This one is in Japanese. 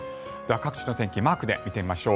各地の天気マークで見てみましょう。